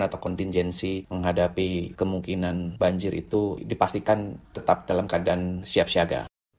atau kontingensi menghadapi kemungkinan banjir itu dipastikan tetap dalam keadaan siapsiaga